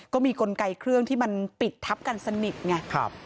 ก็มีกลไกเครื่องที่มันปิดทับกันสนิทไง